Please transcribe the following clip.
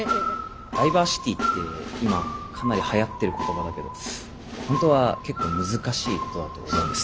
ダイバーシティーって今かなりはやっている言葉だけど本当は結構難しいことだと思うんです。